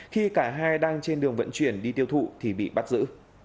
khi cả hai đang trên đường vận chuyển đi tiêu thụ thì bị bắt giữ